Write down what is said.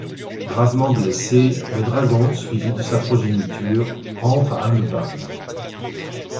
Gravement blessé, le dragon, suivi de sa progéniture, rentre à Angband.